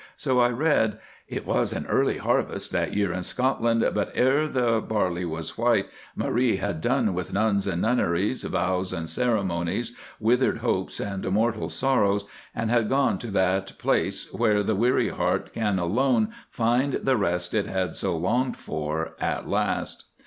So I read—"It was an early harvest that year in Scotland, but e'er the barley was white, Marie had done with nuns and nunneries, vows and ceremonies, withered hopes and mortal sorrows, and had gone to that place where the weary heart can alone find the rest it had so longed for at last."